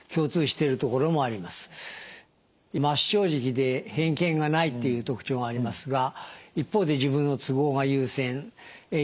真っ正直で偏見がないっていう特徴がありますが一方で自分の都合が優先融通が利かないと。